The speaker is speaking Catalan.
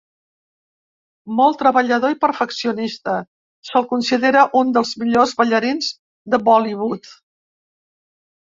Molt treballador i perfeccionista, se'l considera un dels millors ballarins de Bollywood.